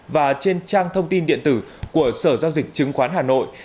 và trên trang thông tin điện tử của sở giao dịch chứng khoán hà nội